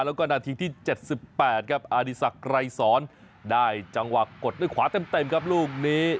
แล้วก็นาทิตย์ที่๗๘อดีศกรายสอนได้จังหวะกดด้วยขวาเต็มครับลูกนี้